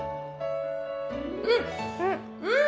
うん！